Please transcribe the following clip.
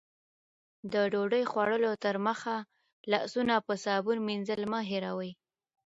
د ډوډۍ خوړلو تر مخه لاسونه په صابون مینځل مه هېروئ.